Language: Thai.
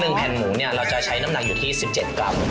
ซึ่งแผ่นหมูเนี่ยเราจะใช้น้ำหนักอยู่ที่๑๗กรัม